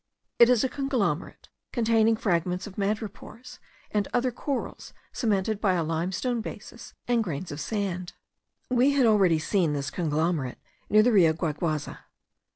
It is a conglomerate, containing fragments of madrepores and other corals cemented by a limestone basis and grains of sand. We had already seen this conglomerate near the Rio Guayguaza.